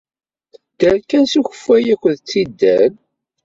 Tedder kan s ukeffay akked tidal.